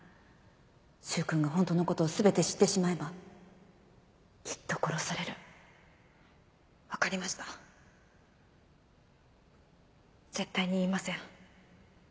柊君が本当のことを全て知ってしまえばきっと殺される分かりました絶対に言いません